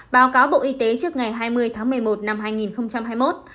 báo cáo bộ y tế trước ngày hai mươi tháng một mươi một năm hai nghìn hai mươi một